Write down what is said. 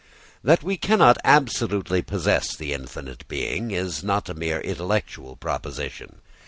That we cannot absolutely possess the infinite being is not a mere intellectual proposition.